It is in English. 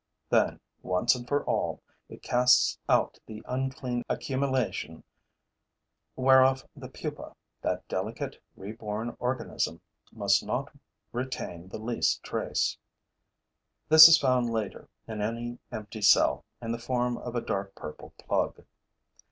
Then, once and for all, it casts out the unclean accumulation whereof the pupa, that delicate, reborn organism, must not retain the least trace. This is found later, in any empty cell, in the form of a dark purple plug.